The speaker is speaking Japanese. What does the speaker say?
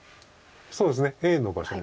そうですねＡの場所です。